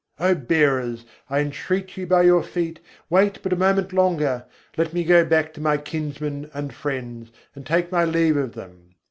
O bearers, I entreat you by your feet, wait but a moment longer: let me go back to my kinsmen and friends, and take my leave of them.